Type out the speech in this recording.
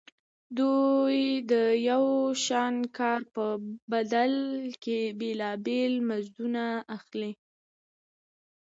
دوی د یو شان کار په بدل کې بېلابېل مزدونه اخلي